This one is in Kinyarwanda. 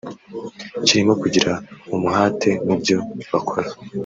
kirimo kugira umuhate mu byo bakora